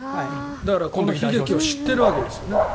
だからこの悲劇を知っているわけですよね。